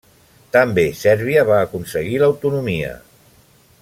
També Sèrbia va aconseguir l'autonomia.